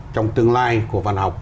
trong tương lai của văn học